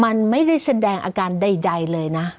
มันไม่ได้แสดงอาการใดเลยนะ